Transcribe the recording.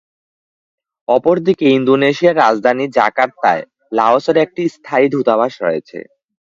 অপরদিকে, ইন্দোনেশিয়ার রাজধানী জাকার্তায় লাওসের একটি স্থায়ী দূতাবাস রয়েছে।